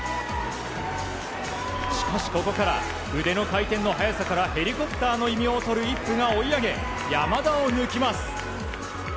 しかしここから腕の回転の速さからヘリコプターの異名をとるイップが追い上げ山田を抜きます。